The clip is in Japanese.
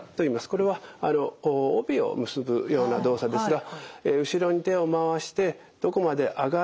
これは帯を結ぶような動作ですが後ろに手を回してどこまで上がるか。